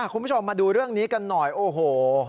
คุณผู้ชมมาดูเรื่องนี้กันหน่อยโอ้โห